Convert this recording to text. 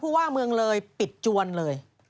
ว่าเมืองเลยปิดจวนเลย